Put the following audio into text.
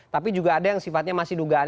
tapi juga ada yang sifatnya masih dugaan